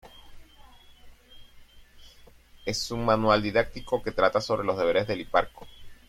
Es un manual didáctico que trata sobre los deberes del hiparco.